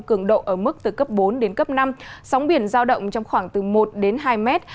cường độ ở mức từ cấp bốn đến cấp năm sóng biển giao động trong khoảng từ một đến hai mét